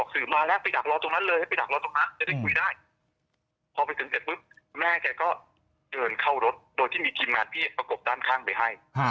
สื่อสัมภาษณ์แม่ค่ะไม่มีทางเลยเพราะว่าที่ผ่านมาเนี่ย